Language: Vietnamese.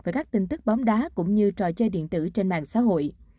về các tin tức bóng đá cũng như trò chơi điện tử trên mạng xã hội